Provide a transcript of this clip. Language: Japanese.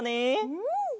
うん。